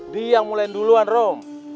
dia yang mulain duluan roh